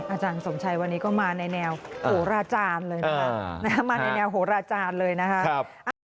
อาจารย์สมชัยวันนี้ก็มาในแนวโหราจารย์เลยนะครับ